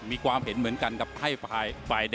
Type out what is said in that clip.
มีความเห็นรจัย